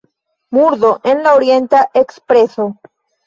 Murdo en la Orienta Ekspreso.